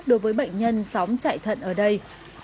đối với bệnh nhân sống chạy thận ở đây